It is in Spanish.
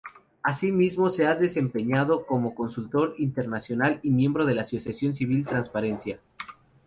Asimismo, se ha desempeñado como consultor internacional y miembro de la Asociación Civil Transparencia.